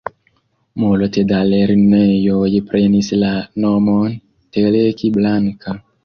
Multe da lernejoj prenis la nomon Teleki Blanka.